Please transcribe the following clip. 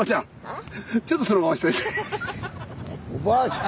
おばあちゃん